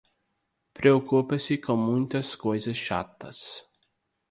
Preocupe-se com muitas coisas chatas